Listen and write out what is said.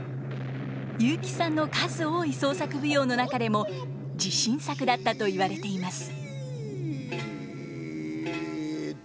雄輝さんの数多い創作舞踊の中でも自信作だったと言われています。